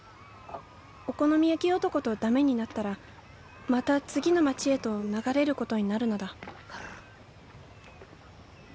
お好み焼き男と駄目になったらまた次の町へと流れることになるのだ